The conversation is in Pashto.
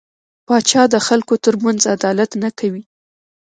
پاچا د خلکو ترمنځ عدالت نه کوي .